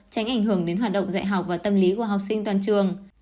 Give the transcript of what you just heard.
tránh ảnh hưởng đến hoạt động dạy học và tâm lý của học sinh toàn trường